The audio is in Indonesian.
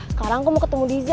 sekarang aku mau ketemu diza